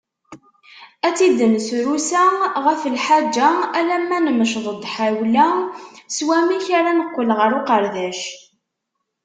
Ad tt-id-nesrusa ɣef lḥaǧa, alma nemceḍ-d ḥawla s wamek ara neqqel ɣer uqerdac.